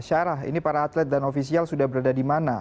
syarah ini para atlet dan ofisial sudah berada di mana